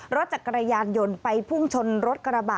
รถจักรยานยนต์ไปพุ่งชนรถกระบะ